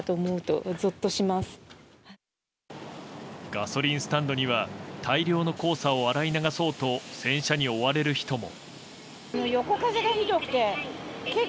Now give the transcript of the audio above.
ガソリンスタンドには大量の黄砂を洗い流そうと洗車に追われる人も。